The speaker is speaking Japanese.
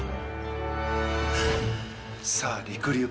さありくりゅう